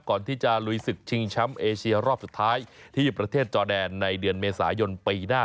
ก่อนที่จะลุยศึกชิงแชมป์เอเชียรอบสุดท้ายที่ประเทศจอแดนในเดือนเมษายนปีหน้า